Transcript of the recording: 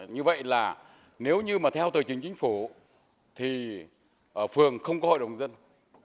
như vậy là nếu như mà theo thời trình chính phủ thì phường không có hội đồng nhân dân